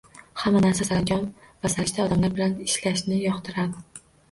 Hamma ham saranjom-sarishta odamlar bilan ishlashni yoqtiradi.